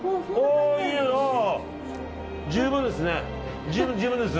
十分ですね。